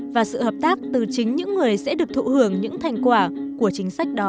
và sự hợp tác từ chính những người sẽ được thụ hưởng những thành quả của chính sách đó